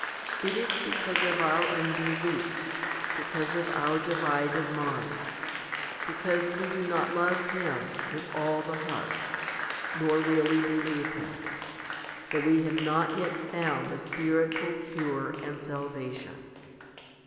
It is because of our unbelief, because of our divided mind, because we do not love Him with all the heart, nor really believe Him, that we have not yet found the spiritual cure and salvation.